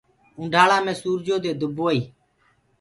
اونڍآݪآ مي سورجو دي دُبدوئي۔